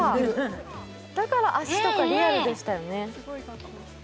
足とかリアルでしたよね。